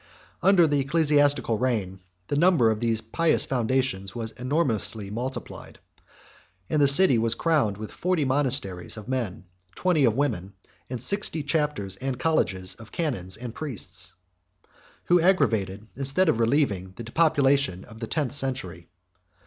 Under the ecclesiastical reign, the number of these pious foundations was enormously multiplied; and the city was crowded with forty monasteries of men, twenty of women, and sixty chapters and colleges of canons and priests, 33 who aggravated, instead of relieving, the depopulation of the tenth century.